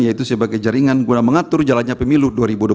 yaitu sebagai jaringan guna mengatur jalannya pemilu dua ribu dua puluh